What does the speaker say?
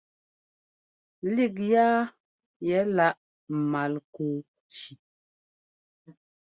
Lík yaa yɛ láʼ Malkúshi.